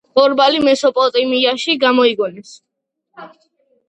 ბორბალი მესოპოტამიაში გამოიგონეს.